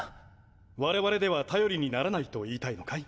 我々では頼りにならないと言いたいのかい？